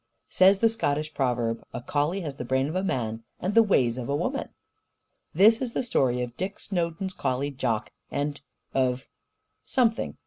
Says the Scotch proverb: "A collie has the brain of a man, and the ways of a woman!" This is the story of Dick Snowden's collie, Jock and of Something.